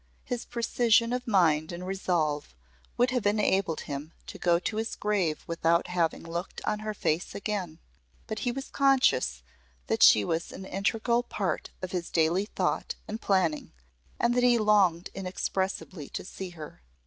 His precision of mind and resolve would have enabled him to go to his grave without having looked on her face again but he was conscious that she was an integral part of his daily thought and planning and that he longed inexpressibly to see her.